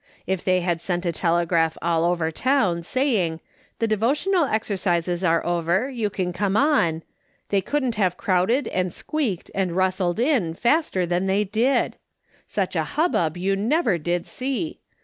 If they had sent a telegraph all over the town, saying, ' The devotional exercises are over, you can come on,' they couldn't have crowded and squeaked and rustled in faster than they did. Such a hubbub you never did see.